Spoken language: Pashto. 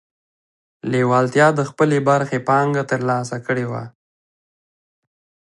لېوالتیا د خپلې برخې پانګه ترلاسه کړې وه